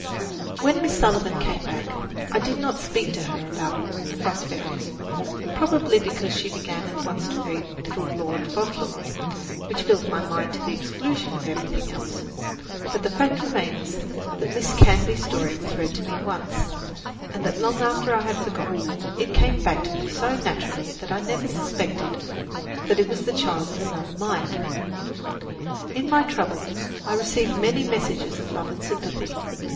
When Miss Sullivan came back, I did not speak to her about "The Frost Fairies," probably because she began at once to read "Little Lord Fauntleroy," which filled my mind to the exclusion of everything else. But the fact remains that Miss Canby's story was read to me once, and that long after I had forgotten it, it came back to me so naturally that I never suspected that it was the child of another mind. In my trouble I received many messages of love and sympathy.